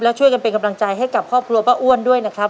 แล้วช่วยกันเป็นกำลังใจให้กับครอบครัวป้าอ้วนด้วยนะครับ